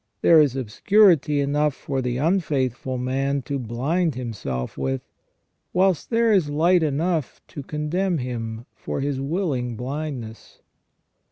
There is obscurity enough for the unfaithful man to blind himself with, whilst there is light enough to condemn him for his willing blindness.